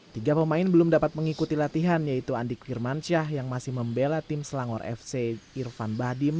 tiga pemain belum dapat mengikuti latihan yaitu andik firmansyah yang masih membela tim selangor fc irfan bahdim